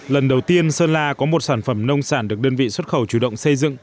lần đầu tiên sơn la có một sản phẩm nông sản được đơn vị xuất khẩu chủ động xây dựng